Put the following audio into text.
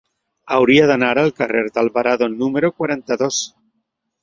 Hauria d'anar al carrer d'Alvarado número quaranta-dos.